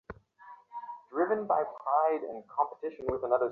সত্যের সহিত সে নিজ ভাবের তুলনা করুক।